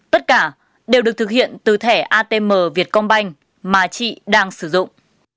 tất cả đều được thực hiện từ thẻ atm việt công banh mà chị đang sử dụng